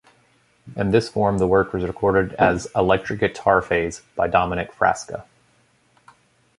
In this form the work was recorded as "Electric Guitar Phase" by Dominic Frasca.